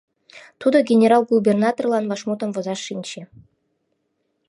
Тудо генерал-губернаторлан вашмутым возаш шинче: